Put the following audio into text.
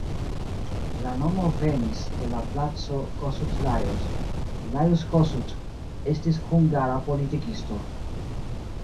La nomo venis de la Placo Kossuth Lajos, Lajos Kossuth estis hungara politikisto.